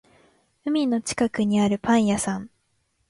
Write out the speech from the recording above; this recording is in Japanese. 海の近くにあるパン屋さん